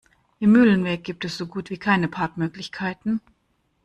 Im Mühlenweg gibt es so gut wie keine Parkmöglichkeiten.